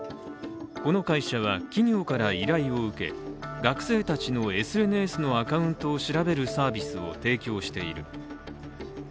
この会社は企業から依頼を受け、学生たちのＳＮＳのアカウントを調べるサービスを提供している。